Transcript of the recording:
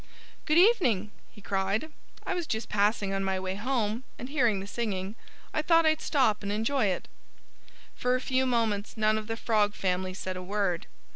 "Good evening!" he cried. "I was just passing on my way home; and hearing the singing, I thought I'd stop and enjoy it." For a few moments none of the Frog family said a word.